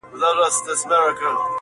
• ورونه دي بند وي د مکتبونو -